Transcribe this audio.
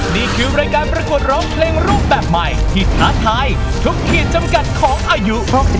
นี่คือรายการประกวดร้องเพลงรูปแบบใหม่ที่ท้าทายทุกเขตจำกัดของอายุ๖๒